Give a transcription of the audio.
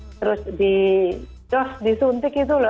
terus disuntik itu loh